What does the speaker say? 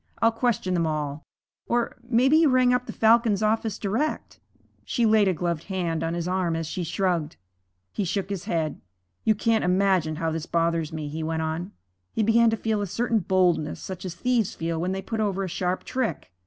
I'll question them all. Or maybe you rang up the Falcon's office direct.' She laid a gloved hand on his arm as she shrugged. He shook his head. 'You can't imagine how this bothers me,' he went on. He began to feel a certain boldness, such as thieves feel when they put over a sharp trick.